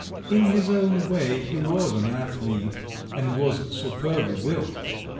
In his own way he was an athlete—and was superbly built!